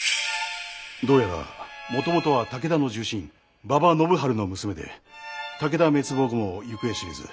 どうやらもともとは武田の重臣馬場信春の娘で武田滅亡後も行方知れず。